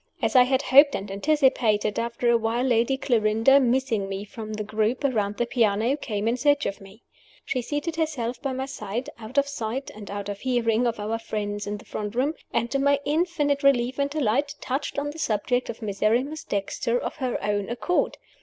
As I had hoped and anticipated, after a while Lady Clarinda (missing me from the group around the piano) came in search of me. She seated herself by my side, out of sight and out of hearing of our friends in the front room; and, to my infinite relief and delight, touched on the subject of Miserrimus Dexter of her own accord.